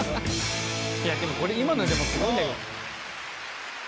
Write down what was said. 「いやでもこれ今のでもすごいんだけど」